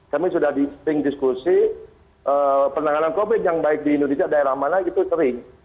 kami sudah disting diskusi penanganan covid yang baik di indonesia daerah mana itu sering